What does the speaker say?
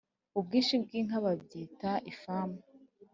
Ubwinshi bwinka babyita ifamu